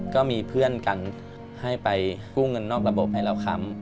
ก็มีเพื่อนกันให้ไปกู้เงินนอกระบบให้เราค้ำ